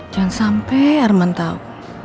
jangan sampai arman tau